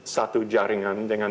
satu jaringan dengan